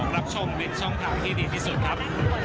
รับชมเป็นช่องทางที่ดีที่สุดครับ